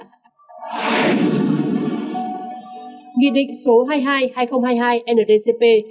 nghị định số hai mươi hai hai nghìn hai mươi hai ndcp